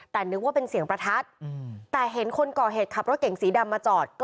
แต่นึกว่าเป็นเสียงประทัดแต่เห็นคนก่อเหตุขับรถเก่งสีดำมาจอด